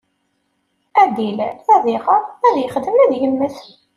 Ad d-ilal, ad iɣer, ad yexdem, ad yemmet.